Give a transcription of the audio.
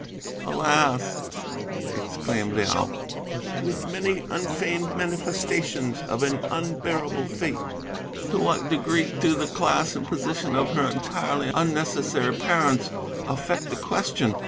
"'Alas!' exclaimed Liao, with many unfeigned manifestations of an unbearable fate, 'to what degree do the class and position of her entirely unnecessary parents affect the question?